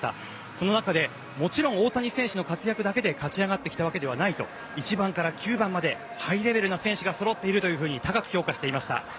その中で、もちろん大谷選手の活躍だけで勝ち上がってきたわけではないと１番から９番までハイレベルな選手がそろっているというふうに高く評価していました。